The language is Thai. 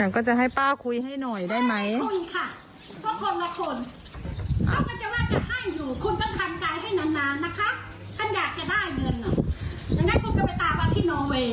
เกี่ยวกับาวแบบน้ำปากที่เราล้านบอกของ